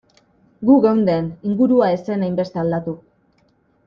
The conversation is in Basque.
Gu geunden, ingurua ez zen hainbeste aldatu.